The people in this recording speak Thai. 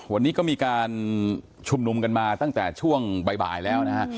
วันนี้ก็มีการชุมนุมกันมาตั้งแต่ช่วงบ่ายแล้วนะฮะ